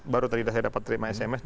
baru tadi saya dapat terima sms